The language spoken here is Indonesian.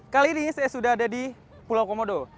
kali ini saya sudah ada di pulau komodo